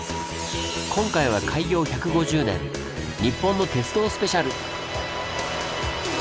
今回は「開業１５０年日本の鉄道スペシャル」！